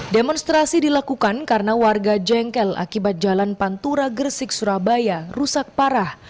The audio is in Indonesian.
demonstrasi dilakukan karena warga jengkel akibat jalan pantura gresik surabaya rusak parah